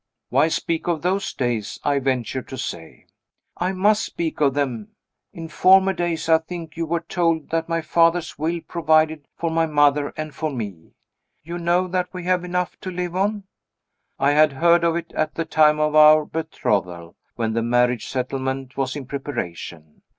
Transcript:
"Why speak of those days?" I ventured to say. "I must speak of them. In former days, I think you were told that my father's will provided for my mother and for me. You know that we have enough to live on?" I had heard of it, at the time of our betrothal when the marriage settlement was in preparation.